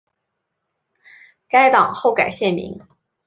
该党后改现名。